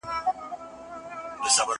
زه کولای سم موبایل کار کړم!؟